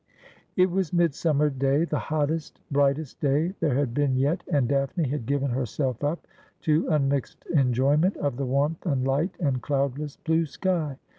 It was Midsummer day— the hottest, brightest day there had been yet, and Daphne had given herself up to unmixed enjoy ment of the warmth and light and cloudless blue sky.